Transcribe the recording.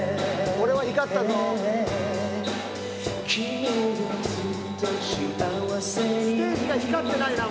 俺は光ったぞステージが光ってないな